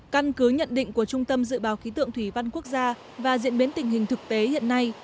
căn cứ nhận định của trung tâm dự báo khí tượng thủy văn quốc gia và diễn biến tình hình thực tế hiện nay